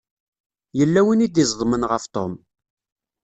Yella win i d-iẓeḍmen ɣef Tom.